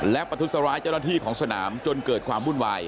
และประทุษร้ายเจ้าหน้าที่ของสนามจนเกิดความวุ่นวาย